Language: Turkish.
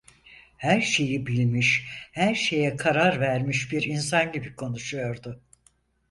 Her şeyi bilmiş, her şeye karar vermiş bir insan gibi konuşuyordu.